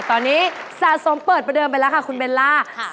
ตอนนี้สะสมเปิดประเดิมไปแล้วค่ะคุณเบลล่าค่ะ